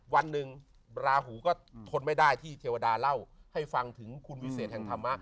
วันหนึ่งราหูก็ทนไม่ได้ที่เทวดาเล่าให้ฟังถึงคุณวิเศษแห่งธรรมะ